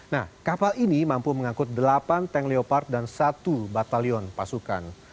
nah kapal ini mampu mengangkut delapan tank leopard dan satu batalion pasukan